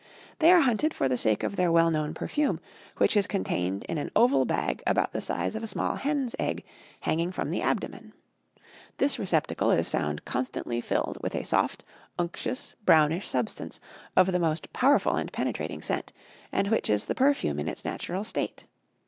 They are hunted for the sake of their well known perfume, which is contained in an oval bag about the size of a small hen's egg, hanging from the abdomen. This receptacle is found constantly filled with a soft, unctuous, brownish substance, of the most powerful and penetrating scent, and which is the perfume in its natural state.